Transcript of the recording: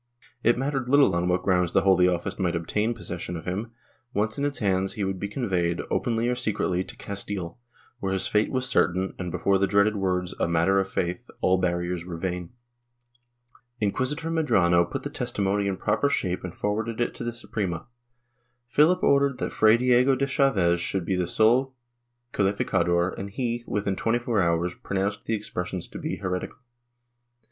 It mattered little on what grounds the Holy Office might obtain possession of him ; once in its hands, he would be conveyed, openly or secretly, to Castile, where his fate was certain and, before the dreaded words " a matter of faith" all barriers were vain. Inquisitor Medrano put the testimony in proper shape and for Chap. X] ANTONIO PEREZ 259 warded it to the Suprema. Philip ordered that Fray Diego de Chaves should be the sole calificador and he, within twenty four hours, pronounced the expressions to be heretical.